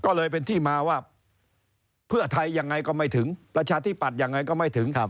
ก็เลยเป็นที่มาว่าเพื่อไทยยังไงก็ไม่ถึงประชาธิปัตย์ยังไงก็ไม่ถึง